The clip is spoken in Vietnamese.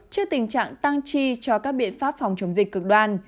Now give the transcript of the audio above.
trước tình trạng tăng chi cho các biện pháp phòng chống dịch cực đoan